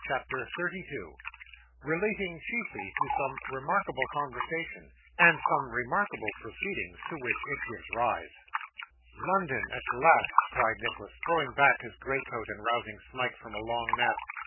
CHAPTER 32 Relating chiefly to some remarkable Conversation, and some remarkable Proceedings to which it gives rise 'London at last!' cried Nicholas, throwing back his greatcoat and rousing Smike from a long nap.